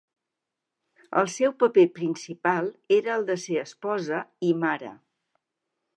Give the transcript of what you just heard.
El seu paper principal era el de ser esposa i mare.